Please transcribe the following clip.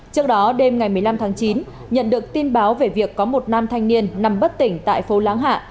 trước đó đêm ngày một mươi năm tháng chín nhận được tin báo về việc có một nam thanh niên nằm bất tỉnh tại phố láng hạ